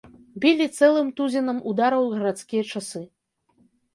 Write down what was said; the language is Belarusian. Білі цэлым тузінам удараў гарадскія часы.